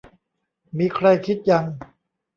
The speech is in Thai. มีใครคิด ยัง